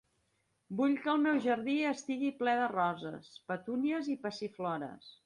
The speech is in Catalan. Vull que el meu jardí estigui ple de roses, petúnies i passiflores.